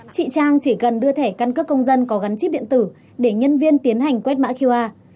chị trang chỉ cần đưa thẻ căn cước công dân có gắn chip điện tử để nhân viên tiến hành quét mã qr